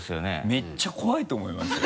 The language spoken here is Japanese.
めっちゃ怖いと思いますよ。